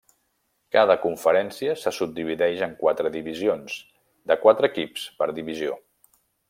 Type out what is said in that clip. Cada conferència se subdivideix en quatre divisions, de quatre equips per divisió.